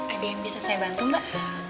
ada yang bisa saya bantu mbak